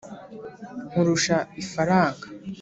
nkurusha ifaranga,